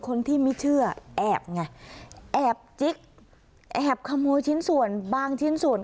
คนที่ไม่เชื่อแอบไงแอบจิ๊กแอบขโมยชิ้นส่วนบางชิ้นส่วน